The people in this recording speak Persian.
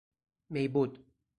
میبد